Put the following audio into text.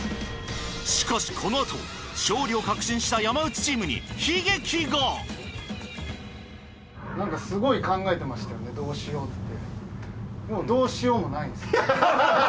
しかしこのあと勝利を確信したなんかすごい考えてましたよねどうしようって。